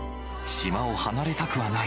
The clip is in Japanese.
島を離れたくはない。